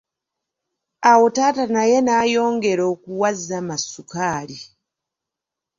Awo taata naye nayongera okuwa Zama sukaali.